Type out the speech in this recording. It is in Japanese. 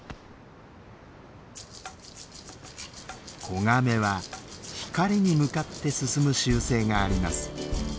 子ガメは光に向かって進む習性があります。